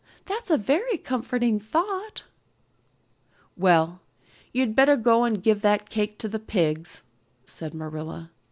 That's a very comforting thought." "Well, you'd better go and give that cake to the pigs," said Marilla.